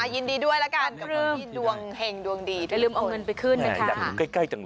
ยินดีด้วยแล้วกันกับคนที่ดวงเห็งดวงดีได้ลืมเอาเงินไปขึ้นนะคะ